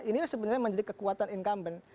ini sebenarnya menjadi kekuatan incumbent